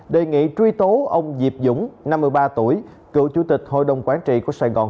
đề nghị truy tố ông diệp dũng năm mươi ba tuổi cựu chủ tịch hội đồng quản trị của sài gòn